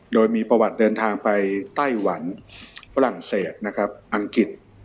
โดยมีประวัติเดินทางไปไต้หวันฝรั่งเศสนะครับอังกฤษ